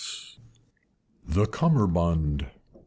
THE CUMMERBUND.